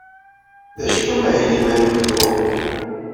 D acu-t umahil-nnem anuktu?